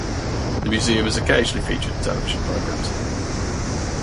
The museum has occasionally featured in television programmes.